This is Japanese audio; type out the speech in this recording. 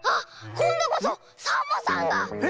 こんどこそサボさんが！